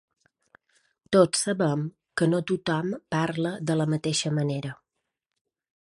Tots sabem que no tothom parla de la mateixa manera.